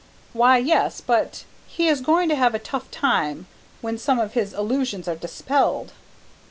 "Why yes, but he is going to have a tough time when some of his illusions are dispelled."